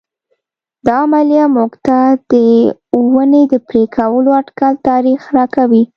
دا عملیه موږ ته د ونې د پرې کولو اټکلي تاریخ راکوي.